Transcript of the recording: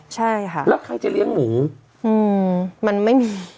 ใช่ค่ะแล้วใครจะเลี้ยงหมูมันไม่มี